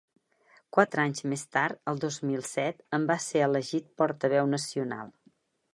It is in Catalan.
Quatre anys més tard, el dos mil set, en va ser elegit portaveu nacional.